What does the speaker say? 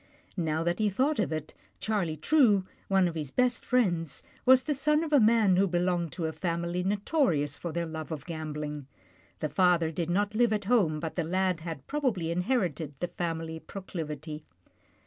Now that he thought of it, Charlie True, one of his best friends, was the son of a man who belonged to a family notorious for their love of gambling. The father did not live at home, but the lad had probably inherited the, family proclivity.